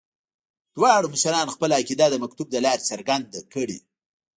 دواړو مشرانو خپله عقیده د مکتوب له لارې څرګنده کړې.